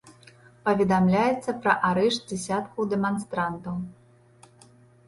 Паведамляецца пра арышт дзясяткаў дэманстрантаў.